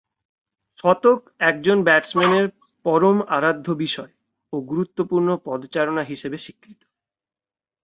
শতক একজন ব্যাটসম্যানের পরম আরাধ্য বিষয় ও গুরুত্বপূর্ণ পদচারণা হিসেবে স্বীকৃত।